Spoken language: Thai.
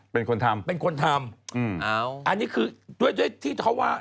เป็นคนทำเป็นคนทำ